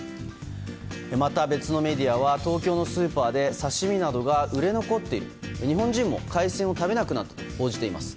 また、別のメディアは東京のスーパーで刺し身などが売れ残っている日本人も海鮮を食べなくなったと報じています。